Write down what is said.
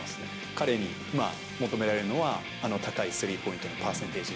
彼に求められるのは、高いスリーポイントのパーセンテージ。